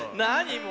もう。